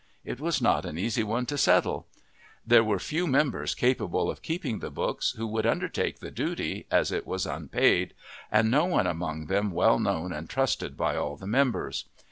It was not an easy one to settle. There were few members capable of keeping the books who would undertake the duty, as it was unpaid, and no one among them well known and trusted by all the members.